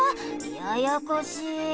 ややこしい。